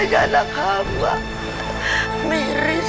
kenapa lagi sih